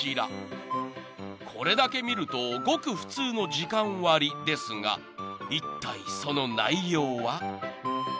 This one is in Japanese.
［これだけ見るとごく普通の時間割ですがいったいその内容は？］